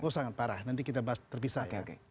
sudah sangat parah nanti kita terpisah